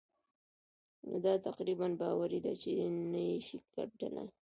نو دا تقريباً باوري ده چې نه يې شې ګټلای.